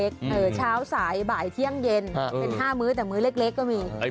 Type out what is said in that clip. เที่ยวเช้าสายบ่ายเที่ยงเย็น๕มื้อแต่มื้อเล็กไม่มี